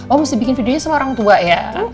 oh mesti bikin videonya sama orang tua ya